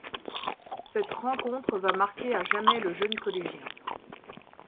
Cette rencontre va marquer à jamais le jeune collégien.